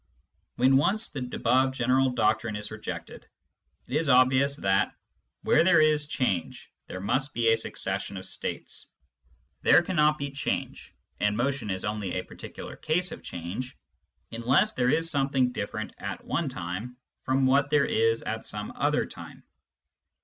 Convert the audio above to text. When once the above general doctrine is rejected, it is obvious that, where there is change, there must be a succession of states. There cannot be change — and motion is only a particular case of change — unless there is something different at one time from what there is at some other time.